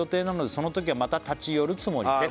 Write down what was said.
「そのときはまた立ち寄るつもりです」